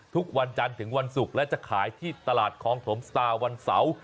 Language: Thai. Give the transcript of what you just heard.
ทุกวันจันทร์ถึงวันศุกร์และจะขายที่ตลาดคลองถมสตาร์วันเสาร์